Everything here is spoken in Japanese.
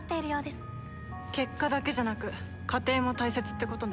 結果だけじゃなく過程も大切ってことね。